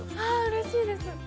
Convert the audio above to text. うれしいです！